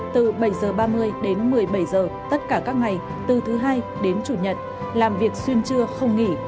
từ bảy h ba mươi đến một mươi bảy h tất cả các ngày từ thứ hai đến chủ nhật làm việc xuyên trưa không nghỉ